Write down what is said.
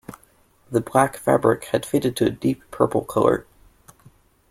The black fabric had faded to a deep purple colour.